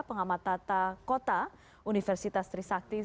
pengamat tata kota universitas trisakti